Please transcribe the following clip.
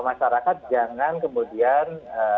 masyarakat jangan kemudian